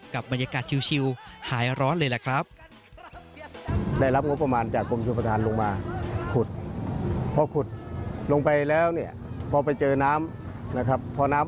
กับบรรยากาศชิวหายร้อนเลยล่ะครับ